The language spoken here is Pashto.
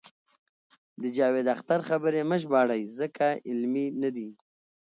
د جاوید اختر خبرې مه ژباړئ ځکه علمي نه دي.